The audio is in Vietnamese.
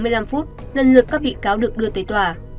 sáu giờ bốn mươi năm phút lần lượt các bị cáo được đưa tới tòa